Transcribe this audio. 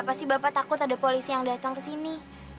pasti bapak takut ada polisi yang datang ke sini